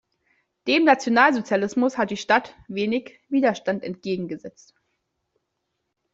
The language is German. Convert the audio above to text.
Dem Nationalsozialismus hat die Stadt wenig Widerstand entgegengesetzt.